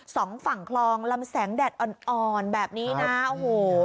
สองฝั่งคลองลำแสงแดดอ่อนอ่อนแบบนี้นะโอ้โห